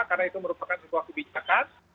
karena itu merupakan sebuah kebijakan